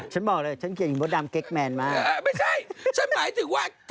ฉันบอกเลยฉันเกลียดพ่อดำเก๊กแมนมาก